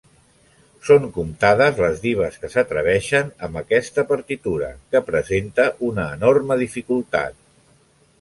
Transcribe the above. Són comptades les dives que s'atreveixen amb aquesta partitura que presenta una enorme dificultat.